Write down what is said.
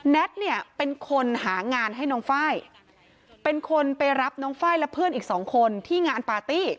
แท็ตเนี่ยเป็นคนหางานให้น้องไฟล์เป็นคนไปรับน้องไฟล์และเพื่อนอีกสองคนที่งานปาร์ตี้